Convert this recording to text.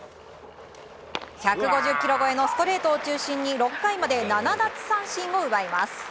１５０キロ超えのストレートを中心に６回まで７奪三振を奪います。